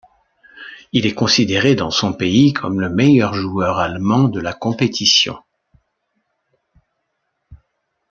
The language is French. Il est considéré dans son pays comme le meilleur joueur allemand de la compétition.